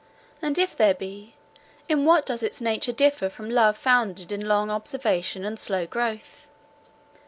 And if there be, in what does its nature differ from love founded in long observation and slow growth?